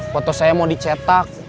foto saya mau dicetak